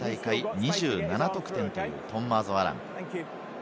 今大会２７得点というトンマーゾ・アラン。